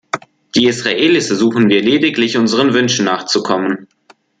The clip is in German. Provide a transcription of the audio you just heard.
Die Israelis ersuchen wir lediglich, unseren Wünschen nachzukommen.